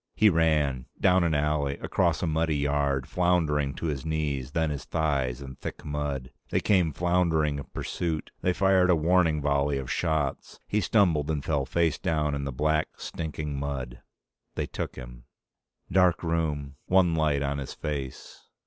He ran. Down an alley, across a muddy yard, floundering to his knees, then his thighs, in thick mud. They came floundering in pursuit. They fired a warning volley of shots. He stumbled and fell face down in the black, stinking mud. They took him ...Dark room. One light, on his face.